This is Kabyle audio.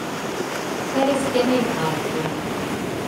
Ar azekka ma yebɣa Rebbi.